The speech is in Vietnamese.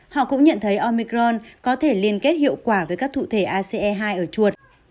họ cũng nhận thấy omicron có thể liên kết hiệu quả với các thủ thể ace hai ở chuột